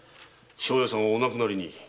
庄屋さんはお亡くなりに。